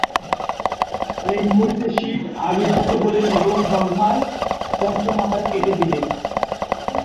এই মুহূর্তে শিব আবির্ভূত হলেন এবং ব্রহ্মার পঞ্চম মাথা কেটে দিলেন।